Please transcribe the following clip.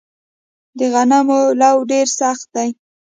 د غنمو لوو ډیر سخت دی